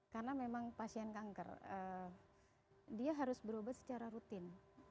karena memang pasien kanker dia harus berobat secara rutin